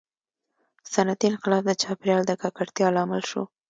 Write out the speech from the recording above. • صنعتي انقلاب د چاپېریال د ککړتیا لامل شو.